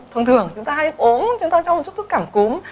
thông thường chúng ta hay ốm chúng ta cho một chút thuốc cảm cúm